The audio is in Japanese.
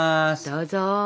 どうぞ！